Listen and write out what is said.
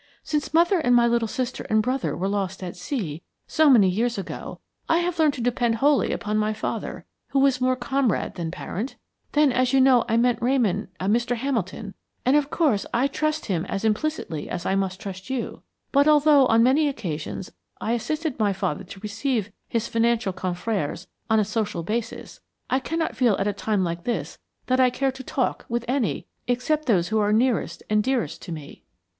Since mother and my little sister and brother were lost at sea, so many years ago, I have learned to depend wholly upon my father, who was more comrade than parent. Then, as you know, I met Ramon Mr. Hamilton, and of course I trust him as implicitly as I must trust you. But although, on many occasions, I assisted my father to receive his financial confrères on a social basis, I cannot feel at a time like this that I care to talk with any except those who are nearest and dearest to me."